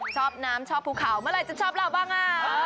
ชอบน้ำชอบภูเขาเมื่อไหร่จะชอบเราบ้าง